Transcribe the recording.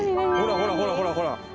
ほらほらほらほら。